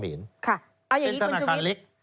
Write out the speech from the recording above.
เอาอย่างนี้คุณชุวิตเป็นธนาคารเล็ก